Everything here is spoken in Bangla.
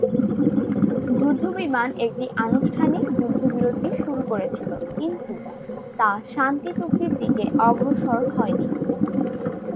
যুদ্ধবিমান একটি আনুষ্ঠানিক যুদ্ধবিরতি শুরু করেছিল কিন্তু তা শান্তি চুক্তির দিকে অগ্রসর হয়নি।